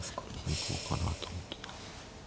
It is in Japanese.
行こうかなと思ってた。